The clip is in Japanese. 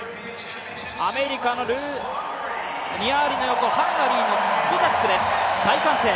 アメリカのニア・アリの横、ハンガリーのコザックです、大歓声。